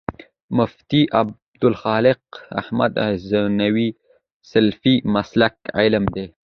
مفتي ابوخالد لائق احمد غزنوي سلفي مسلک عالم دی